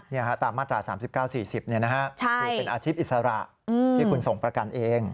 นี่ค่ะตามมาตรา๓๙๔๐นี่นะครับคือเป็นอาชีพอิสระที่คุณส่งประกันเอง